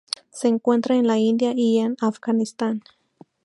Se encuentra en la India y en Afganistán.